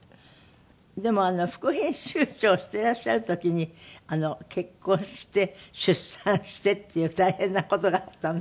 でも副編集長をしていらっしゃる時に結婚して出産してっていう大変な事があったんですって？